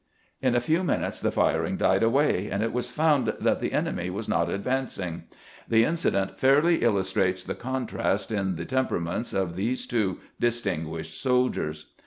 In a few minutes the firing died away, and it was found that the enemy was not advancing. The incident fairly illustrates the contrast in the tempera ments of these two distinguished soldiers.